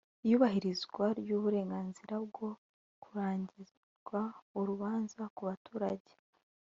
Iyubahirizwa ry uburenganzira bwo kurangirizwa urubanza ku baturage